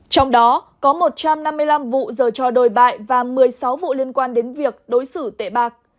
trong đó có một trăm năm mươi năm vụ giờ trò đồi bại và một mươi sáu vụ liên quan đến việc đối xử tệ bạc